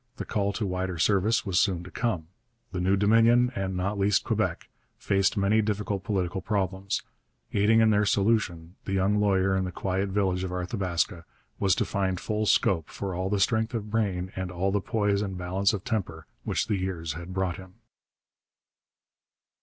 The call to wider service was soon to come. The new Dominion, and not least Quebec, faced many difficult political problems. Aiding in their solution, the young lawyer in the quiet village of Arthabaska was to find full scope for all the strength of brain and all the poise and balance of temper which the years had brought him.